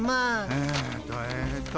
えっとえっと